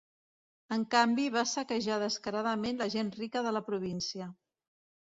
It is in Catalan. En canvi va saquejar descaradament la gent rica de la província.